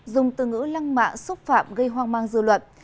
dùng từ ngữ lăng mạ xúc phạm gây hoang mang dư luận